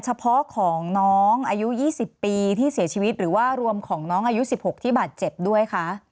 เฉพาะของน้องอายุ๒๐ปีที่เสียชีวิตหรือว่ารวมของน้องอายุ๑๖ที่บาดเจ็บด้วยคะ